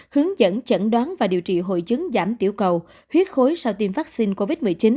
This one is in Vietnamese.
hướng dẫn chẩn đoán và điều trị hội chứng giảm tiểu cầu huyết khối sau tiêm vaccine covid một mươi chín